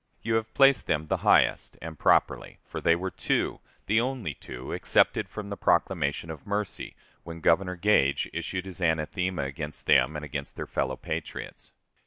You have placed them the highest, and properly; for they were two, the only two, excepted from the proclamation of mercy, when Governor Gage issued his anathema against them and against their fellow patriots.